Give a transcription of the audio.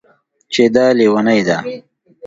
چې دا لېونۍ ده